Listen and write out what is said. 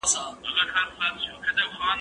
زه بايد مکتب ته لاړ شم!؟